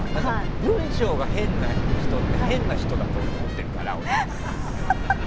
文章が変な人って、変な人だと俺、思ってるから。